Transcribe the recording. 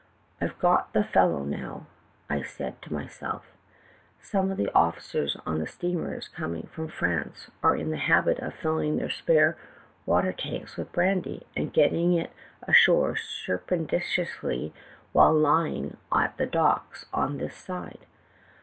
"'I've got the fellow now,' I said to myself ' Some of the officers on the steamers coming from France are in the habit of filling their spare water tanks with brandy, and getting it ashore surrep titiously while lying at the docks on this side.